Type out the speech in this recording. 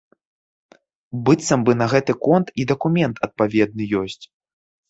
Быццам бы на гэты конт і дакумент адпаведны ёсць.